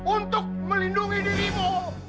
untuk melindungi dirimu